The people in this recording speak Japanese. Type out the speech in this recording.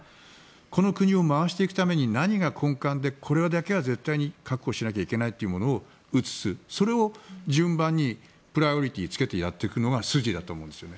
この国を回していくために何が根幹でこれだけは絶対に確保しなきゃいけないというものを移すそれを順番にプライオリティーをつけてやっていくのが筋だと思うんですね。